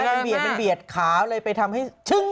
มันเบียดขาเลยไปทำให้